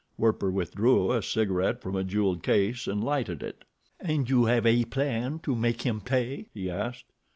Werper withdrew a cigaret from a jeweled case and lighted it. "And you have a plan to make him pay?" he asked.